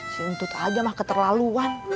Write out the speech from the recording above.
si untut aja mah keterlaluan